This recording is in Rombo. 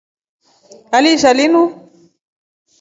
Aliisha linu.